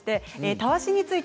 たわしについて。